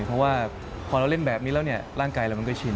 เพราะว่าพอเราเล่นแบบนี้แล้วเนี่ยร่างกายเรามันก็ชิน